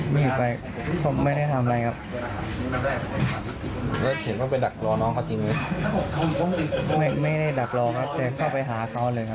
ไม่ไม่ให้ดับรองเขาแต่เข้าไปหาเขาเลยครับ